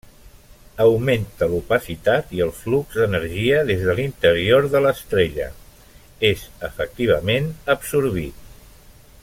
Augmenta l'opacitat i el flux d'energia des de l'interior de l'estrella és efectivament absorbit.